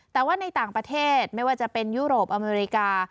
แต่ว่าในต่างประเทศไม่ว่าจะเป็นยุโรปอเมริกา